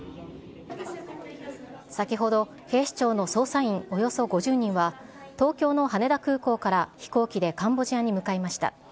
先ほど、警視庁の捜査員およそ５０人は、東京の羽田空港から飛行機でカンボジアに向かいました。